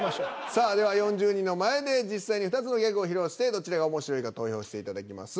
さあでは４０人の前で実際に２つのギャグを披露してどちらが面白いか投票していただきます。